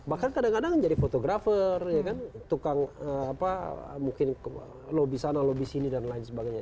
bahkan kadang kadang jadi fotografer tukang apa mungkin lobby sana lobby sini dan lain sebagainya